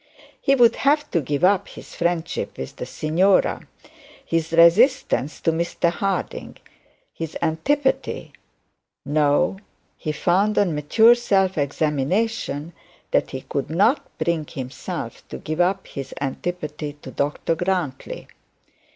He would have to give up his friendship with the signora, his resistance to Mr Harding, his antipathy no, he found on mature self examination, that he could not bring himself to give up his antipathy to Dr Grantly.